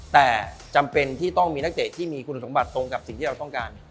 แต่จำเป็นที่ต้องมีนักเตะที่มีคุณสมบัติตรงกับสิ่งที่เราต้องการ